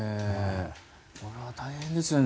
これは大変ですよね。